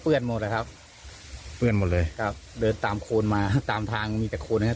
หมดแหละครับเปื้อนหมดเลยครับเดินตามโคนมาตามทางมีแต่โคนนะครับ